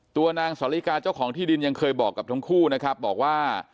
ตัวนางสอริกาเจ้าของที่ดินยังเคยบอกกับทั้งคู่นะครับบอกว่า